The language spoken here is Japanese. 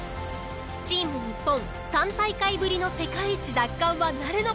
チーム日本３大会ぶりの世界一奪還はなるのか？